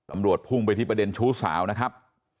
พุ่งไปที่ประเด็นชู้สาวนะครับ